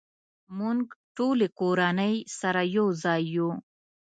مونږ ټولې کورنۍ سره یوځای یو